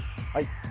はい